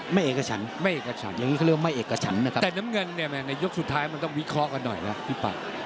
ไม่เอกกระฉันนะครับแต่น้ำเงินในยกสุดท้ายมันต้องวิเคราะห์กันหน่อยครับพี่ปั๊บ